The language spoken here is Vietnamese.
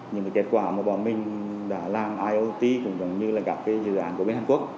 những cái kết quả mà bọn mình đã làm iot cũng giống như là gặp cái dự án của bên hàn quốc